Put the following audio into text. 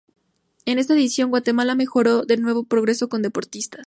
En esta edición, Guatemala mejoró de nuevo, progreso con deportistas.